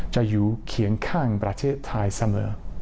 อยู่เคียงข้างประเทศไทยเสมอ